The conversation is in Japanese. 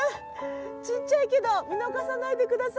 ちっちゃいけど見逃さないでくださいよ。